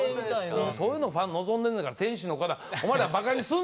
そういうのファン望んでんねんから天使の粉お前らバカにすんなよホンマに。